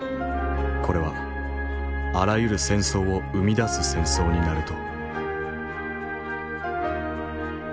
これはあらゆる戦争を生み出す戦争になると。